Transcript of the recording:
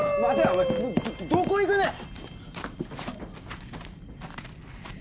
お前どこ行くねん！